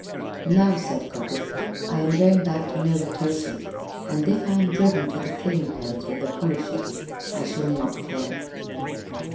"Now," said Kotick, "I am going back to Novastoshnah, and if I am driven to the killing pens with the holluschickie I shall not care."